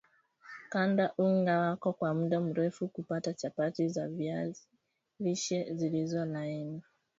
Kanda unga wako kwa mda mrefu kupata chapati za viazi lishe zilizo laini